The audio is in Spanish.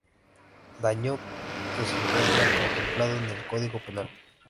daño que se encuentra contemplado en el código penal